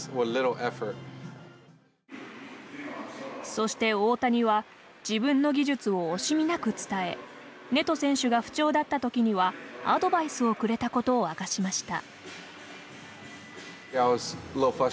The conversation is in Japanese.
そして大谷は自分の技術を惜しみなく伝えネト選手が不調だったときにはアドバイスをくれたことを明かしました。